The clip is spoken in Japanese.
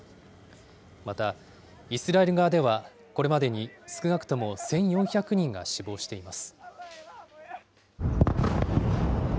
また、イスラエル側ではこれまでに少なくとも１４００人が死亡しています。